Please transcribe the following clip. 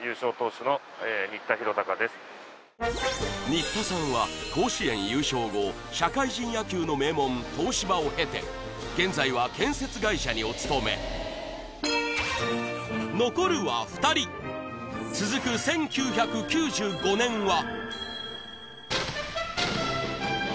新田さんは甲子園優勝後社会人野球の名門東芝を経て現在は建設会社にお勤め残るは２人続く１９９５年は？